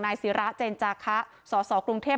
ศิราเจนจาคะสสกรุงเทพ